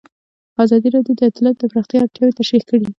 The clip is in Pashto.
ازادي راډیو د عدالت د پراختیا اړتیاوې تشریح کړي.